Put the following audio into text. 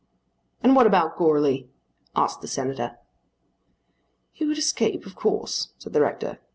"And what about Goarly?" asked the Senator. "He would escape of course," said the rector.